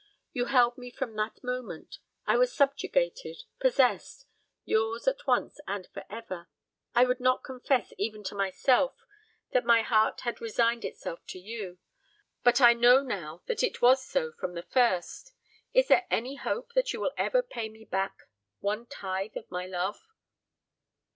You held me from that moment. I was subjugated possessed yours at once and for ever. I would not confess even to myself that my heart had resigned itself to you; but I know now that it was so from the first. Is there any hope that you will ever pay me back one tithe of my love?"